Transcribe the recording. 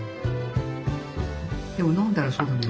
でも飲んだらそうでもない。